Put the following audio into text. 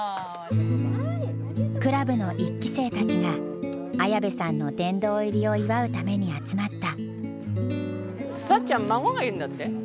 クラブの１期生たちが綾部さんの殿堂入りを祝うために集まった。